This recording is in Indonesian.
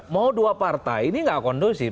mau dua partai ini nggak kondusif